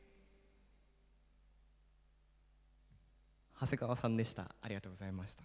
長谷川さんでした。